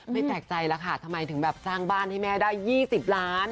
ไม่แปลกใจแล้วค่ะทำไมถึงแบบสร้างบ้านให้แม่ได้๒๐ล้าน